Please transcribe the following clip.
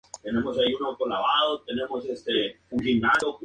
Fue liberada tras cuatro días de interrogatorios.